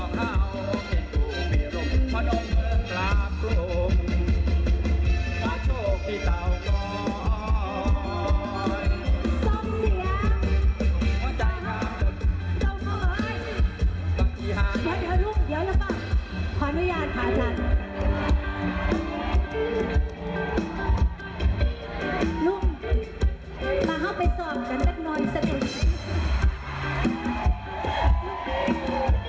ลุงมาเข้าไปส่องกันแป๊บน้อยสักนิดนิด